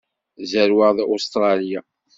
Zerweɣ deg Ustṛalya.